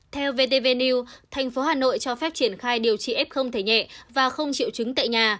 theo vtv new thành phố hà nội cho phép triển khai điều trị f thể nhẹ và không triệu chứng tại nhà